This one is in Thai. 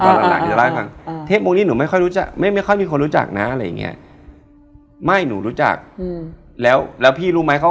เป็นเสียงเด็ก